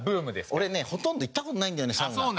俺ねほとんど行った事ないんだよねサウナ。